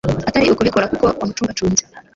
atari ukubikora kuko wamucungacunze.